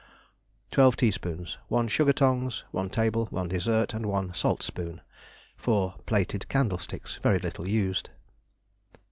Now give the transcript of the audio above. Twelve teaspoons, 1 sugar tongs, 1 table, 1 dessert, and 1 saltspoon, 4 plated candlesticks, very little used.